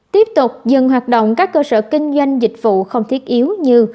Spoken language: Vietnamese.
tiếp tục dừng hoạt động các cơ sở kinh doanh dịch vụ không thiết yếu như